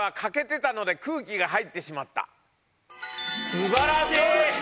すばらしい。